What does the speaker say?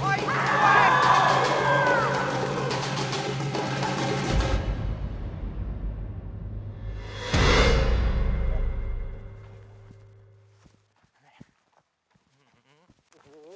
โอ้โฮดูดิ